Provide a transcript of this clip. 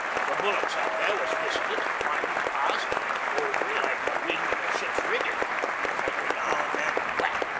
The bullets up there was whistlin' an' whinin' past an' over like the wind in a ship's riggin', an' every now an' then _whack!